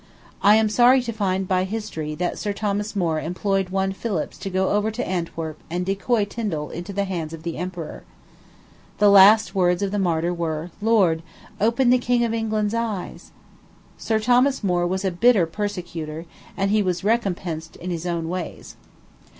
I am sorry to find, by history, that Sir Thomas More employed one Phillips to go over to Antwerp and decoy Tindal into the hands of the emperor. The last words of the martyr were, "Lord! open the King of England's eyes." Sir Thomas More was a bitter persecutor, and he was "recompensed in his own ways."